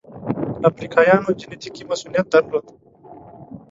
افریقایانو جنټیکي مصوونیت درلود.